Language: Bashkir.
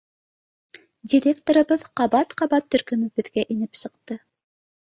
Директорыбыҙ ҡабат-ҡабат төркөмөбөҙгә инеп сыҡты.